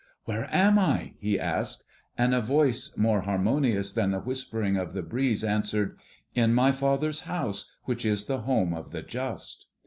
"Where am I?" he asked; and a voice more harmonious than the whispering of the breeze answered, "In my Father's House, which is the home of the Just."